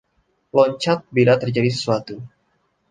Loncat bila terjadi sesuatu.